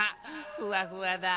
ふわふわだ。